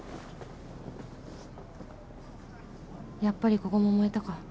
やっぱりここも燃えたか。